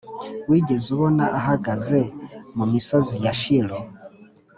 wigeze ubona ahagaze mu misozi ya shilo